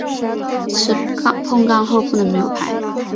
吃碰杠后不能没有牌。